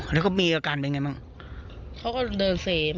แล้วก็มีอาการเป็นไงบ้างเขาก็เดินเสม